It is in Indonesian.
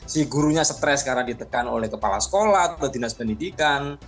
si gurunya stres karena ditekan oleh kepala sekolah atau dinas pendidikan